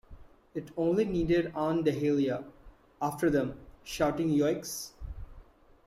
It only needed Aunt Dahlia after them, shouting "Yoicks!"